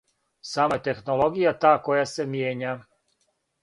Само је технологија та која се мијења.